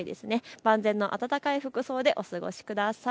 万全の暖かい服装でお過ごしください。